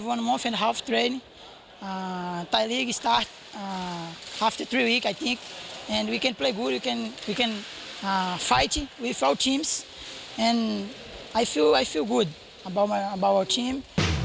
เราก้อหัวหนักมีทีมก่วง